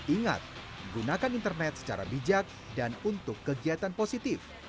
ingat gunakan internet secara bijak dan untuk kegiatan positif